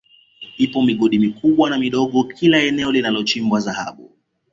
Ipo migodi mikubwa na midogo kila eneo linalochimbwa Dhahabu